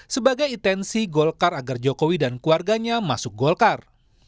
sebagai intensi golkar agar jokowi dan keluarganya masuk golkar